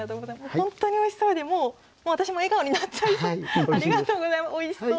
本当においしそうで、もう私も笑顔になっちゃいそう。